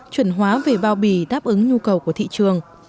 chuẩn hóa về bao bì đáp ứng nhu cầu của thị trường